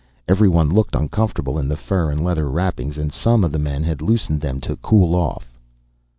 Everyone looked uncomfortable in the fur and leather wrappings, and some of the men had loosened them to cool off.